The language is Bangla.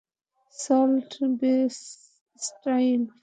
Salt Bae style.